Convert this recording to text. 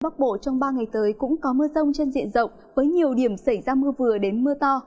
bắc bộ trong ba ngày tới cũng có mưa rông trên diện rộng với nhiều điểm xảy ra mưa vừa đến mưa to